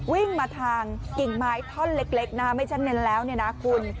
วิ่งมาทางกิ่งไม้ท่อนเล็กนะไม่ใช่เน้นแล้วเนี่ยนะคุณ